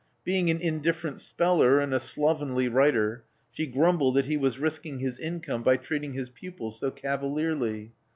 Being an indifferent speller and a slovenly writer, she grumbled that he was risking his income by treating his pupils so cavalierly.